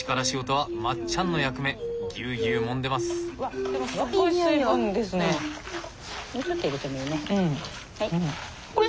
はい。